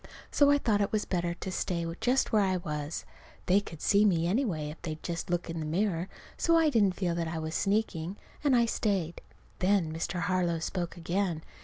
So I thought it was better to stay just where I was. They could see me, anyway, if they'd just look in the mirror. So I didn't feel that I was sneaking. And I stayed. Then Mr. Harlow spoke again.